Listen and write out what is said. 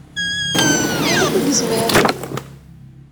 Ayen akk i yezmer.